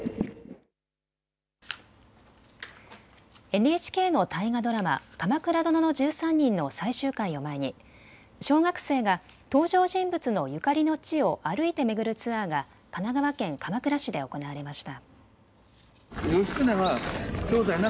ＮＨＫの大河ドラマ、鎌倉殿の１３人の最終回を前に小学生が登場人物のゆかりの地を歩いて巡るツアーが神奈川県鎌倉市で行われました。